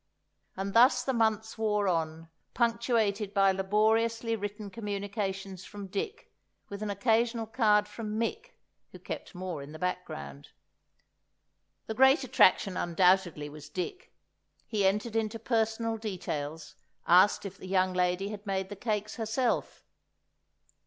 And thus the months wore on, punctuated by laboriously written communications from Dick, with an occasional card from Mick, who kept more in the background. The great attraction, undoubtedly, was Dick. He entered into personal details, asked if the young lady had made the cakes herself.